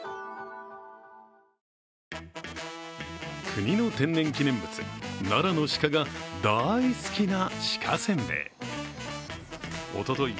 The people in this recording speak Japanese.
国の天然記念物、奈良の鹿が大好きな鹿せんべい。